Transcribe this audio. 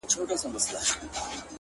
چي ته راځې تر هغو خاندمه- خدایان خندوم-